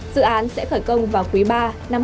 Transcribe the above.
dự án sẽ khởi công vào quý ba năm hai nghìn hai mươi